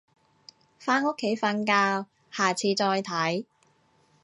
返屋企瞓覺，下次再睇